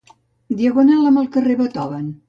Diagonal amb el carrer Beethoven.